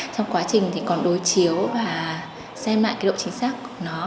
trong quá trình thì còn đối chiếu và xem lại cái độ chính xác của nó